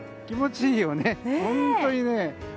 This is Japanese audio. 気持ちいいよね。